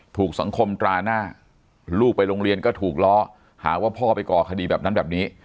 ถูกสังคมตราหน้าลูกไปโรงเรียนก็ถูกล้อหาว่าพ่อไปก่อคดีแบบนั้นแบบนี้